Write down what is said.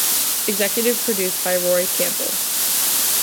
Executive produced by Roy Campbell.